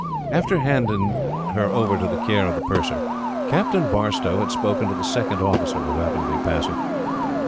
After having handed her over to the care of the purser, Captain Barstow had spoken to the second officer, who happened to be passing.